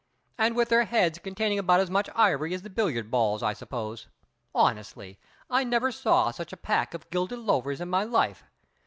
"And with their heads containing about as much ivory as the billiard balls, I suppose. Honestly, I never saw such a pack of gilded loafers in my life!